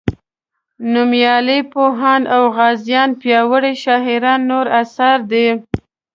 نومیالي پوهان او غازیان پیاوړي شاعران نور اثار دي.